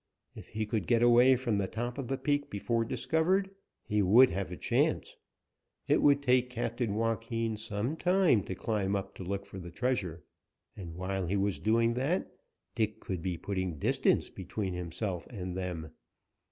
If he could get away from the top of the peak before discovered, he would have a chance. It would take Captain Joaquin some time to climb up to look for the treasure, and while he was doing that Dick could be putting distance between himself and them.